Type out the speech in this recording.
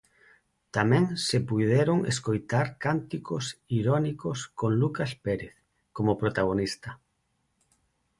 Tamén se puideron escoitar cánticos irónicos con Lucas Pérez como protagonista.